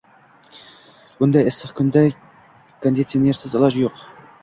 Bunday issiq kunda, kondisionersiz iloji yo`q